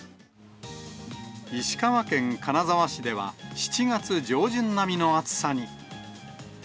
石川県金沢市では、７月上旬並みの暑さに。